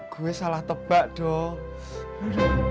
gue salah tebak dong